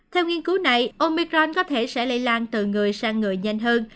theo nghiên cứu này omicron có thể sẽ lây lan từ người sang người nhanh hơn